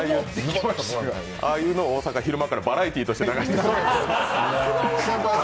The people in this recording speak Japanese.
ああいうのを大阪は昼間からバラエティーとして流してます。